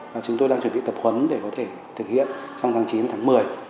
và chúng tôi đang chuẩn bị tập huấn để có thể thực hiện trong tháng chín và tháng một mươi